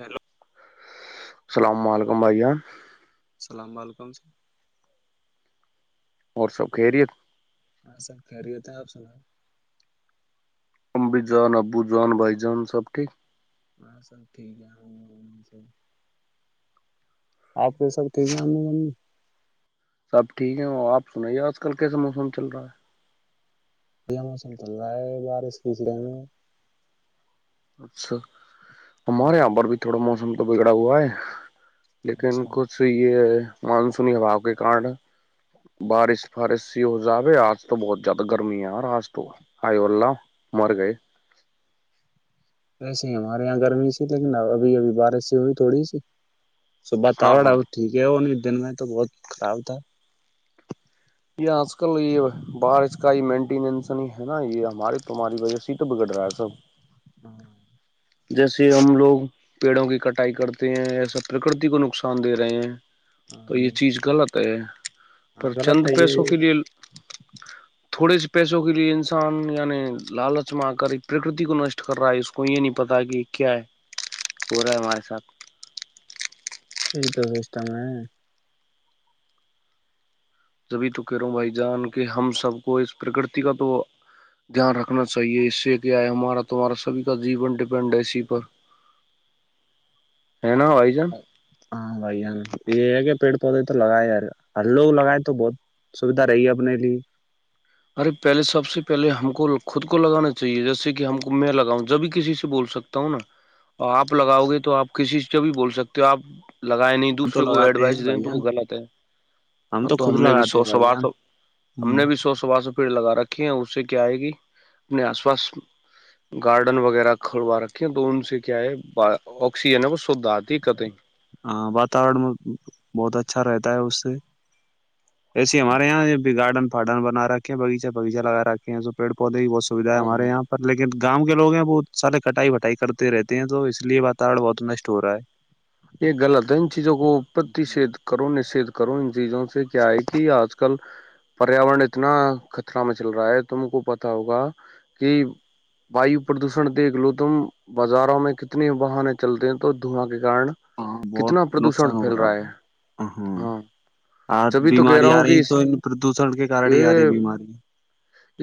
hello السلام علیکم بھائیا اللام علیکم سر اور سب خیریت ہاں سب خہریے ہوتے ہیں آپ سناؤ امب جن ابو جن بائی جان سب ٹھیک میں سب ٹھیک ہے س آپ یہ سب ٹھیک ج سب ٹھیک ہے آ سنائیے آج کل کیسا موسم چل رہا ہے یہ موسم تو ال رہا ہے بارش کیچرے میں اچھا ہمارے یہاں پر بھی تھوڑا موسم تو بگڑا ہوا ہے لیکن اچھا کچھ یہ ہے مانسونی ہباؤ کے کارن بارش فارش سی ہو جاو آج تو بہت زیادہ گرمییا آج تو آائیولہ مر گئے ویسے ہی ہمارے یہاں گرمی سھی لیکن ابھی ابھی بارش س ہوئی تھوڑی سی س ہاں باتاور ہاں ہے وہ ٹھیک ہے اور دن میں تو بہت خراب تھا یہ آج کل یہ بارش کا ہی مینٹیننس نہیں ہے نا یہ ہمارے تو ہماری وجہ سے تو بگڑ رہا ہے سب ہاں جیسے ہم لوگ پیڑوں کی کٹائی کرتے ہیں ایسا پرکرتی کو نقصان دے رہے ہیں ہاں تو یہ جی چیز غلط کہ ہاں پر غلط چند ہے یہ پیسوں کے لیے تھوڑے سے پیسوں کے لیے انسان یعنی لالچ میں آ کر ایک پرکرتی کو نشٹ کر رہا ہے اس کو یہ نہیں پتا کہ کیا ہے ہو رہا ہے ہمارے ساتھ یہ تو سسٹم ہے جبھی تو کہہ رہا ہوں بھائی جان کہ ہم سب کو اس پرکرتی کا تو دھیان رکھنا چاہیے اس سے کیا ہے ہمارا تمہارا سبھی کا جین ڈپینڈ ہے اسی پر ہے نا بھائی جان ہاں بھائی جان یہ کہ پیڑ پودے تو لگائے ہ لوگ لگائےیں تو بہت سویدھا رہی ہے اپنے لیے ارے پہلے سب سے پہلے ہم کو خود کو لگانا چاہیے جیسے کہ ہم کو میں لگاؤں جب بھی کسی سے بول سکتا ہوں نا آپ لگاؤ گے تو آپ کسی سے جب بول سکتے ہو آپ لگائے نہیں ہم تو دوسرے کو لگاتے ہیں ایڈوائس دیں تو بھیا وہ غلط ہے ہاں تو خود ہم نے بھی لگاتے ہیں سوچ بھائی سوار جان سب ہم نے بھی سوچ ا پیڑ لگا رکھے ہیں اس سے کیا آ ہے گ اپنے آس پاس گارڈن وغیرہ کھلوا رکھے ہیں تو ان سے کیا ہے آکسیجن ہے وہ شھ آتی ہے کتیں ہاں واتورن میں بہت اچھا رہتا ہے اس سے ایسے ہمارے یہاں یہبھی گارڈن پارڈن بنا رکھے ہیں بغیچ بایچہ لگ رکھ ہیں اس پیڑ پودے کی بہت سویدھا ہے ہاں ہمارے ہاں یہاں پر لیکن گاؤں کے لو ہیں بہت سارے کٹائی وٹائی کرتے رہتے ہیں تو اس لیے واتاورن بہت نشٹ ہو رہا ہے یہ غلط ہے ان چیزوں کوپتی سے کرونے سے کروں چیزوں سے کیا ہے کہ آج کل پریاورن اتنا خطرا میں چل رہا ہے تم کو پتا ہوگا کہ ویو پردوشن دیکھ لو تم بازاروں میں کتنی واہنے چلتے ہیں تو دھواں کے کن ہاں بہت کتنا پردوشن نقصان ہو پھیل رہا ہے ہاں آج جبھی تو کہہ رہا بیماری آ ہوں رہی کہ ہے تو ان پردوشن کے کارن ہی آ رہی ہے یہ بیماری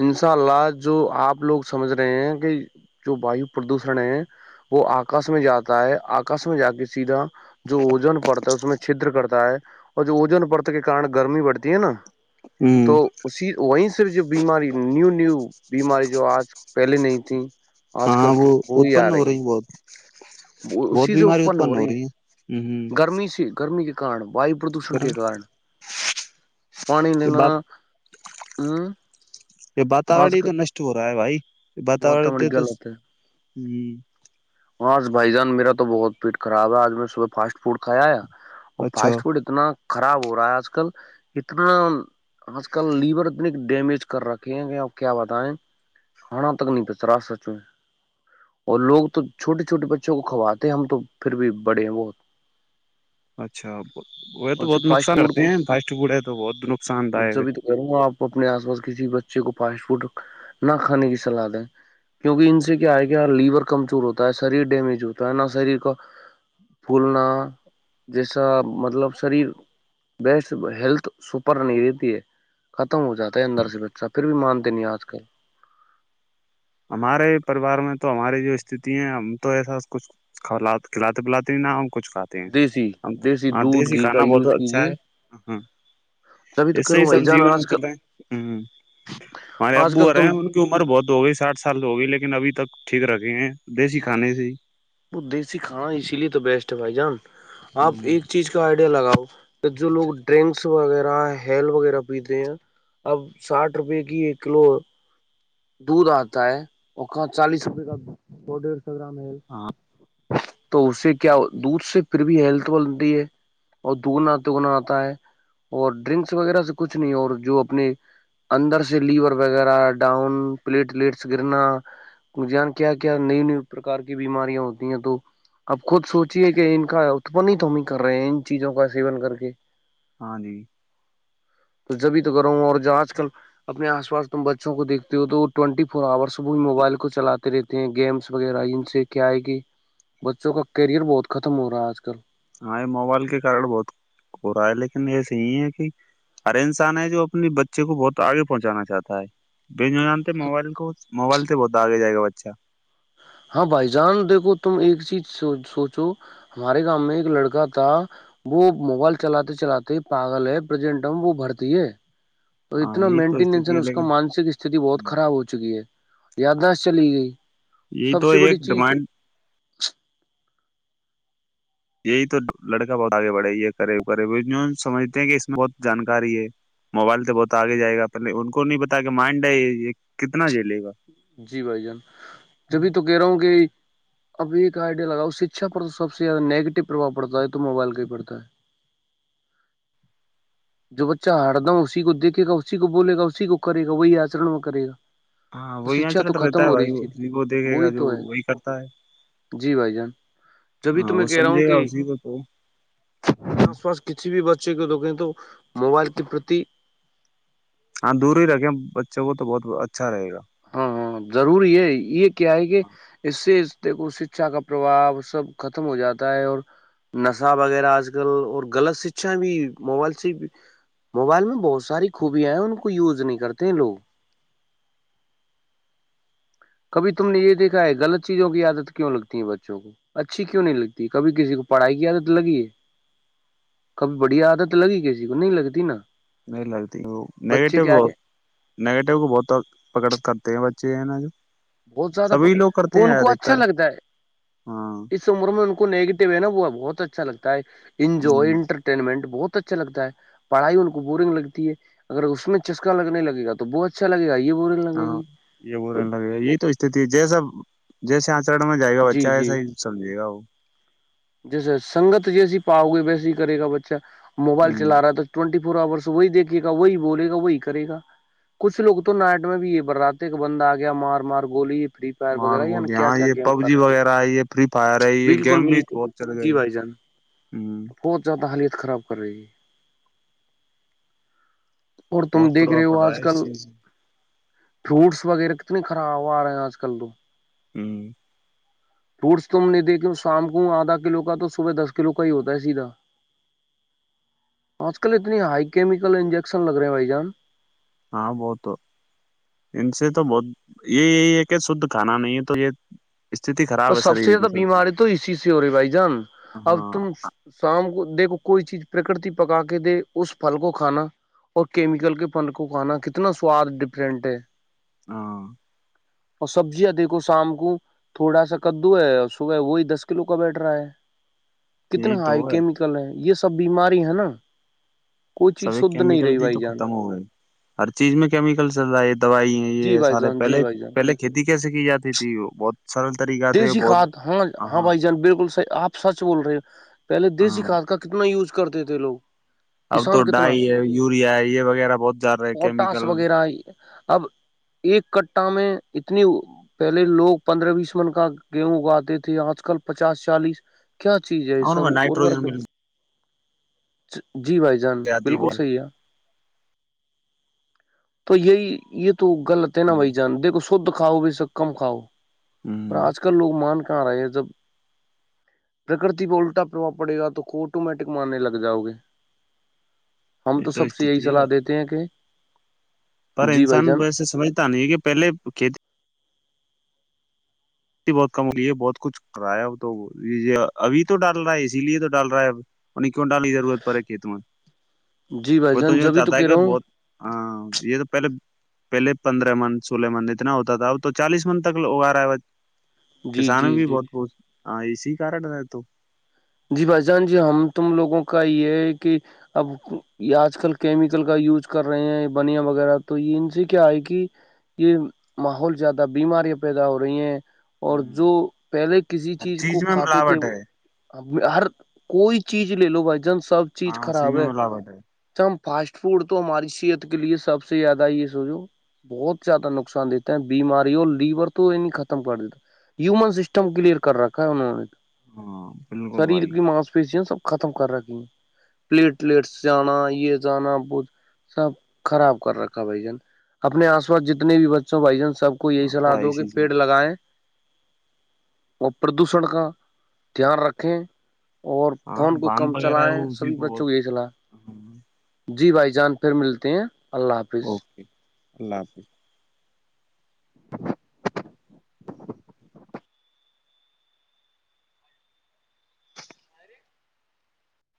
انسا لاج جو آپ لوگ سمجھ رہے ہیں کہ جو وایو پردوشن ہے وہ آکاش میں جاتا ہے آکاش میں جا کے سیدھا [unintelligible] جو وجن پڑتا ہے اس میں چدر کرتا ہے اور جو ووجن پررت کے کار گرمی بڑھتی ہے نا ہوں تو اسی وہیں سے جو بیماری نیو نیو بیماری جو آج پہلے نہیں تھی آج ہاں کل وہ وہی اتپن آ ہو رہی ہیں ہے بہت وہ بہت اسی سے بیماری اتپن ہو رہی ہے ہیں ہ ہ گرمی سی گرمی کتنی کاھم [unintelligible] وایو پردوشن کرن کے کارن پانی یہ لینا بات ہوں یہ وااتورن ہی تو نشٹ ہو رہا ہے بھائی بہت وااتورن ہمڑی سے تو ہوں ہاںج بھائی جان میرا تو بہت پیٹ خراب ہے آج میں صبح فاسٹ فوڈ کھایا وہ اچھا فاسٹ فوڈ اتنا [unintelligible] خراب ہو رہا ہے آج کل اتنا آج کل لیور اتنی ڈیمیج کر رکھے اور کیا بتائیں کھانا تک نہیں پچرا سچو اور لوگ تو چھوٹے چھوٹے بچوں کو کھواتے ہم تو پھر بھی بڑے ہیں بہت اچھا وہ تو اور بہت فاسٹ نقصان فوڈ کرتے کو ہیں فاسٹ فوڈ ہے تو بہت نقصان دائک ہے سبھی تو کروں گا آپ اپنے آس پاس کسی کو فاسٹ فوڈ نہ کھے کی سلاح دیں کیونکہ ان سے کیا ہے کہ لیور کمزور ہوتا ہوتا ہے شریر ڈیمیج ہوتا ہے نا شریر کا پھولنا جیسا مطلب شریر بیسٹ ہیلتھ سپر نہیں رہتی ہے ختم ہو جاتا ہے اندر سے بچہ پھر بھی مانتے نہیں آج کل ہمارے پریوار میں تو ہماری جو استتی ہیں ہم تو ایسا کچھ ک کھلاتے پلاتے نہ ہ کچھ کھاتے ہیں دیسی ہ دودھ دیسی گھی کا کھانا بہت یوز اچھا کیجیے ہے ہ تبھی تو اس سے کروں ہی بھائی سب جان جیون میں آج کل چلے ہ ہمارے آج کل ابو آ رہے تم ہیں ان کی عمر بہت ہو گئی سال تو ہوگئے لیکن ابھی تک ٹھیک رکھے ہیں دیسی کھانے سے وہ دیسی کھانا اسی لیے تو بیسٹ ہے بھائی جان آپ ہ ایک چیز کا آرڈر لگاؤ تو جو لوگ ڈرنکس وغیرہ ہیل وغیرہ پیتے ہیں اب ساٹھ روپئے کی ایک کلو دودھ آتا ہے اور چالیس روپئے کا وگرام مل ہاں [unintelligible] تو اس سے کیا دودھ سے پھر بھی ہیلھ بنتی ہے اور د نہتےنا آتا ہے اور ڈرنکس وغیرہ سے کچھ نہیں اور جو اپنے اندر سے لیور وغیرہ ڈاؤن پلیٹلیٹس گرنا ان کیا کیا نئی نئی پرکار کی بیماری ہوتی ہیں تو اب خود سوچے کہ ان کا اتپن ہی تو ہم ہی کر رہے ہیں ان چیزوں کا سیون کر کے ہاں جی تو جبھی تو کرو اور آج کل اپنے آس پاس تم بچوں کو دیکھتے ہو تو وہ ٹوینٹی فور آورس ب موبائل کو چلاتے [unintelligible] رہتے ہیں گیمس وغیرہ ان سے [unintelligible] کیا ہے گ بچوں کا کیریئر بہت ختم ہو رہا ہے آج کل ہاں یہ موبائل کے کارن بہت ہو رہا ہے لیکن ایسے ہی ہے کہ ہر انسان ہے جو اپنی بچے کو بہت آگے پہنچانا چاہتا ہے ب جان موبائل کو موبائل بہت آگے جائے گا اچھا ہاں بھائی جان دیکو تم ایک چیز سوچو ہمارے گامؤ میں ایک لڑکا تھا وہ موبائل چلاتے چلاتے پاگل ہےٹ وہ بھرتی ہے تو ہاں اتنا یہی تو مینٹینس استتی ہے اس کا لیکن مانسک استھتی بہت خراب ہو چکی ہے یا دش چلی گئی یہ سب تو سے بڑی ایک چیز تو ڈیمانڈ یہی تو لڑکا بہت آگے بڑھی ہے کرریب کرریب سمجھتے ہیں کہ اس میں بہت جانکاری ہے موبائل سے بہت آگے جائے گا پہلے ان کو نہیں بتا کہ مائنڈ ہے یہ کتنا جیلے گا جی بھائی جان جبھی تو کہہ رہا ہوں کہ اب ایک آئیڈیا لگاؤ شکھا پر تو سب سے زیادہ نیگیٹو پرباؤ پڑتا ہے تو موبائل کا ہی پڑتا ہے جو بچہ ہارد اسی کو دیکھے گا اسی کو بولے گا اسی کو کرے گا وہی آچرم میں کرے گا ہاں تو وہ یہاں شکھا چل تو رہتا ختم ہے ہو رہی بھائی تھیھی اسی کو دیکھے گا وہی جو تو ہے وہی کرتا ہے جی بھائی جان جبھی ہاں تو وہ کہہ رہا ہوں سمجھے گا کہ اسی کو تو ہ آس پاس کسی بھی بچے کو دکیں تو موبائل کے پرتی ہاں دورا گ اچا وہ تو بہت اچھا رہےا ہاں ہاں ضروری ہے یہ کیا ہے کہ اس سے دیکھو شکھا کا پرباؤ سب ختم ہو جاتا ہے اور نشہ وغیرہ آج کل اور غلط ششا بھی موبائل سے موبائل میں بہت ساری خوبیا ہیں ان کو یوز نہیں کرتے ہیں لوگ کبھی تم نے یہ دیکھا ہے غلط چیزوں کی عادت کیوں لگتی ہے بچوں کو اچھی کیوں نہیں لگتی کبھی کسی کو پڑھائی کی عادت لگی ہے کبھی بڑھیا عادت لگی کسی کو نہیں لگتی نا نہیں لگتی وہ بچے نگیٹو کیا بہت ہے نگیٹو کو بہت پرک کرتے ہیں ب چین جو بہت زیادہ سبھی لوگ کرتے وہ ان ہیں کو اچھا ادھکتر لگتا ہے ہاں اس عمر میں ان کو نگیٹو ہے نا وہ بہت اچھا لگتا ہے انجوائے ہ انٹرٹینمنٹ بہت اچھا لگتا ہے پڑھائی ان کو بورنگ لگتی ہے اگر اس میں چسکا لگنے لگےا تو بہت اچھا لگ گا یہ بورنگ لگے ہاں گی یہ وہگ است جی سب جیسے آج ر میں جائے گا جی بچہ جی ایسا ہی سمجے گا وہ جیسے سنگت جیسی پاؤ گے ویسے ہی کرے گا بچہ موبائل چ ہ رہا تھا ٹئنٹی پراورس وہی دیکھے گا وہی بولے گا وہی کرے گا کچھ لوگ تو نائٹ میں بھی یہ بر رہاتے کہ بندہ آ گیا مار مار گولی فری فائر مار وغیرہ یا بول نا کیا ہاں کیا یہ گیم پب کر جی رہا وغیرہ ہے یہ فری فائر ہے یہ بالکل گیم بھی بالکل بہ جی بھائی جان پچ حالیت خراب کر رہی اور تم بہت دیکھ پربھؤ رہے پڑ ہو رہا آج ہے کل اس چیز فروٹس وغیرہ کتنے خراب آ رہے ہیں آج کل تو ہوں فروٹس توم نہیں دیکھے ہ شام کو آدھا کلو کا تو صبح دس کلو کا ہی ہوتا ہے سیدھا آج کل اتنی ہائی کیمیکل انجیک کسن لگ رہے ہیں بھائی جان ہاں بہ تو ان سے تو بہت یہ یہی ہے کہ شھ کھانا نہیں ہے تو یہ استتی اور خراب ہے سب سے شریر کی زیادہ سب چیز بیماری تو اسی سے ہو رہی بھائی جان اب ہاں تم شام کو دیکھو کوئی چیز پرکرتی پکا کے دے اس پھل کو کھانا اور کیمیکل کے پھل کو کھانا کتنا سواد ڈفرنٹ ہے ہاں اور سبزیاں دیکھو شام کو تھوڑا سا کدو ہے اور صبح وہی دس کلو کا بیٹھ رہا ہے کتنے یہی تو ہائی ہے کیمیکل ہیں یہ سب سب بیماری ہے نا کوئی سب چیز ایک شدھ نہیں کیمیکل رہی تھی بھائی تو جان ختم ہو گئی ہر چیز میں کیمیکلس زز دوائی ہیں جی یہ بھائی سارے جان جی پہلے بھائی جان پہلے کھیتی کیسے کی جاتی تھی وہ بہت سرل طریقہ تھے دیسی بہت کھاد ہاں ہاں بھائی جان بالکلح آپ سچ بول رہے ہو پہلے ہاں دیسیھاد کا کتنا یوز کرتے تھے لوگ اب تو کسان کتنا ڈائی ہے یوریا ہے یہ وغیرہ بہت جا رہا ہے پوٹاس کیمیکل وغیرہ اب ایک کٹٹا میں اتنی پہلے لوگ پندرہ بیس سو دشمن کا گیہوں اگاتے تھے آج کل پچاس چالیس کیا چیز ہے یہ ان سب میں ار نائٹروجن ورکیں مل اھ [unintelligible] جی بھائی جان جاتی بالکل بہت صحیح ہے تو یہ یہ تو گل ت نہ بائی جان دیکھ خود کاؤ بھی سے کم کھاؤ پر ہوں آج کل لوگ مان کر کہاں رہا یہ جب [unintelligible] پرکرتی پہ الٹا پرباؤ پڑے گا تو کو آٹومیٹک مارنے لگ جاؤ گے ہم یہ تو سب سے یہی استتی ہے صلاح دیتے ہیں کہ پر جی بھائی انسان جان ویسے سمجھتا نہیں کہ پہلے کھیتی بہت کم ہو یہ بہت کچھ کرایا تو ابھی تو ڈال رہا ہے اسی لیے تو ڈال رہا ہے ا انیں کیوں ڈالی ضرورت پڑے کھیت میں جی بھائی وہ تو جان یہ جبھی چاہتا ہے کہہ رہا کہ ہوں بہت ہ یہ تو پہلے پہلے پندرہ من سولہ من اتنا ہوتا تھا اب تو چالیس من تک لگ رہا ہے ب جی کسانوں جی بھی جی بہت خوش آ ای سی کاار اٹ نہا ایت تو جی بھائی جان جی ہم تم لوگوں کا یہ ہے کہ اب یہ آج کل کیمیکل کا یوز کر رہے ہیں بنیا وغیرہ تو یہ ان سے کیا ہے کہ یہ ماحول زیادہ بیماریاں پیدا ہو رہی ہیں اور جو پہلے کسی ہر چیز کو میں کھاتے تھے ملاوٹ وہ ہے ہر کوئی چیز لے لو بائی جانس سب چیز ہاں اسی خراب میں ہے ملاوٹ چم فاسٹ فوڈ تو ہماری صحت کے لیے سب سے زیادہ یہ سوچو بہت زیادہ نقصان دیتا ہے بیماری اور لیور تو یہ نہیں ختم کر دیتا ہیومن سسٹم کلیئر کر رکھا ہے انہوں نے ہاں بالکل سریر بھائی کی ماس پیشی ہے سب ختم کر رکھی ہیں پلیٹلیٹس جانا یہ جانا بھ سب خراب کر رکھا بھائی جان اپنے آس پاس جتنے بھی بچوں بھائی جان سب کو یہی ہاں صلاح بھائی دو کہ اسی پیڑ لگائے وہ پردوشن کا دھیان رکھ کہھ اور ہاں فون کو کم باندھ وغیرہ ہے چلائیں وہ اسی سبھی بچوں کو بہت یہی چلا جی بھائی جان پھر ملتے ہیں اللہ حافظ اوکے اللہ حافظ